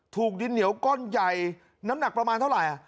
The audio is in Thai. ถูกดินเหนียวก้อนใหญ่น้ำหนักประมาณเท่าไหร่